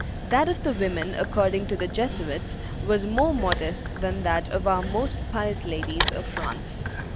That of the women, according to the Jesuits, was more modest than that "of our most pious ladies of France."